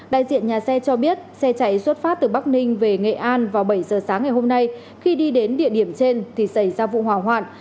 đại diện nhà xe cho biết xe chạy xuất phát từ bắc ninh về nghệ an vào bảy giờ sáng ngày hôm nay khi đi đến địa điểm trên thì xảy ra vụ hỏa hoạn